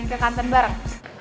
sini ke kantan bareng